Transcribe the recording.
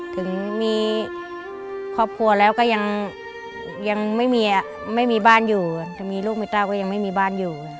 ถึงมีครอบครัวแล้วก็ยังไม่มีบ้านอยู่จะมีลูกมีเต้าก็ยังไม่มีบ้านอยู่